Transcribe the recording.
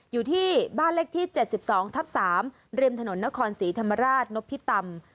อยู่ที่บ้านเล็กที่เจ็บสิบสองทับสามแลมถนนนครสีธรรมราชนพิตำ